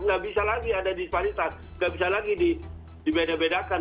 nggak bisa lagi ada disparitas nggak bisa lagi dibeda bedakan